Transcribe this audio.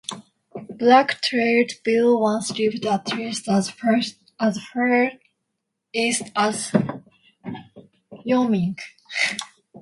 Black-tailed deer once lived at least as far east as Wyoming.